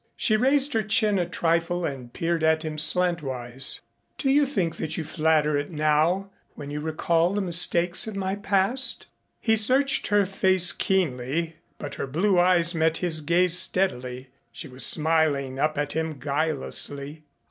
She raised her chin a trifle and peered at him slantwise. "Do you think that you flatter it now when you recall the mistakes of my past?" He searched her face keenly but her blue eyes met his gaze steadily. She was smiling up at him guilelessly.